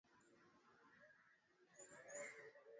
kufungua barabara ili kurahisisha usafiri kuna afisa hao